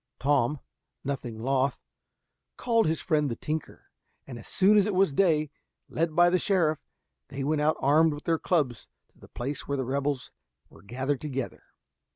Tom, nothing loth, called his friend the tinker, and as soon as it was day, led by the sheriff, they went out armed with their clubs to the place where the rebels were gathered together.